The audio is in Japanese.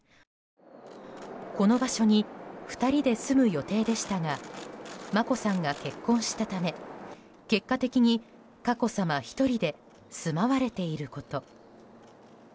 この場所に２人で済む予定でしたが眞子さんが結婚したため結果的に佳子さま１人で住まわれていること。